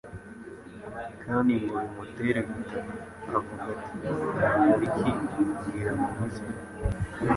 kandi ngo bimutere gutaka avuga ati, ''Nakora iki kugira ngo nkizwe ?